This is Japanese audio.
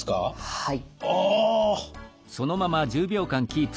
はい。